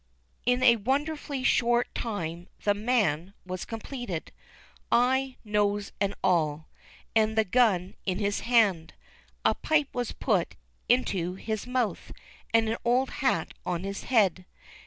In a wonderfully short SNOWY PETER. 53 1 time the was completed — eyes, nose, and all, and the gun in his hand. A pipe was put into his mouth, and an old hat on his head.